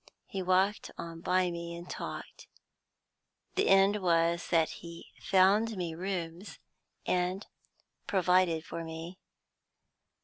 He walked on by me, and talked. The end was, that he found me rooms, and provided for me.